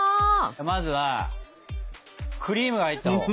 まずはクリームが入ったほう。